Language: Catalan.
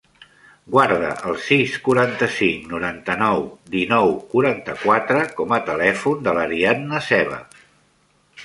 Guarda el sis, quaranta-cinc, noranta-nou, dinou, quaranta-quatre com a telèfon de l'Ariadna Seva.